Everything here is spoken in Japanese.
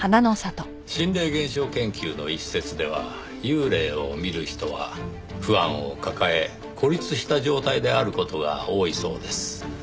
心霊現象研究の一説では幽霊を見る人は不安を抱え孤立した状態である事が多いそうです。